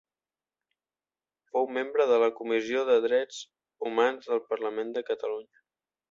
Fou membre de la comissió de Drets Humans del Parlament de Catalunya.